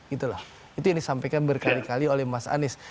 itu yang disampaikan berkali kali oleh mas anis